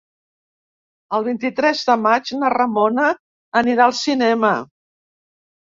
El vint-i-tres de maig na Ramona anirà al cinema.